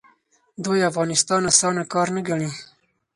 دوی افغانستان اسانه کار نه ګڼي.